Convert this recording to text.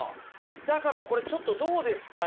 だからこれちょっとどうですか？